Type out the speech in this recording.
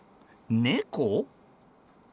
猫？